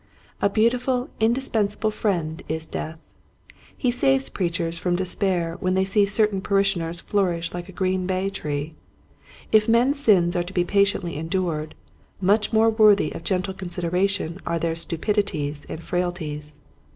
A beautiful, indispensable friend is Death ! He saves preachers from de spair when they see certain parishioners flourish like a green bay tree. If men's sins are to be patiently endured, much more worthy of gentle consideration are their stupidities and frailties.